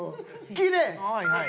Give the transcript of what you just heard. きれい！